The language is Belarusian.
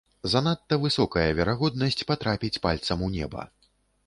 Занадта высокая верагоднасць патрапіць пальцам у неба.